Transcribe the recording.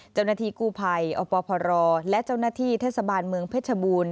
เจ้าหน้าที่กู้ภัยอพรและเจ้าหน้าที่เทศบาลเมืองเพชรบูรณ